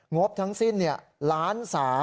งบทั้งสิ้น๑๓๐๐๐๐๐บาท